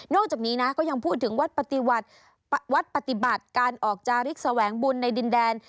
จากนี้นะก็ยังพูดถึงวัดปฏิบัติการออกจาริกแสวงบุญในดินแดน